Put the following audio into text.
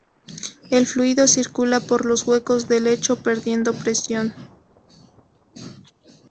El fluido circula por los huecos del lecho perdiendo presión.